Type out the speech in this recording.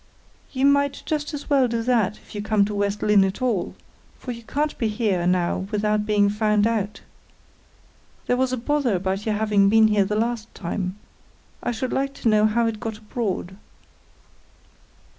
"You might just as well do that, if you come to West Lynne at all; for you can't be here now without being found out. There was a bother about your having been here the last time: I should like to know how it got abroad."